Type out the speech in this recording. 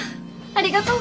ありがとう。